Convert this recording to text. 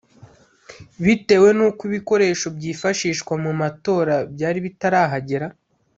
bitewe n’uko ibikoresho byifashishwa mu matora byari bitarahagera